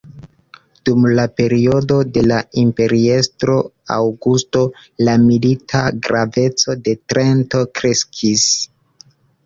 Dum la periodo de la imperiestro Augusto, la milita graveco de Trento kreskis.